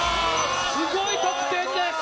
すごい得点です！